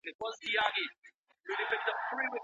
مينځې بايد په ټولنه کې د احترام خاوندانې سي.